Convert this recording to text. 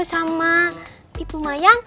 sama ibu mayang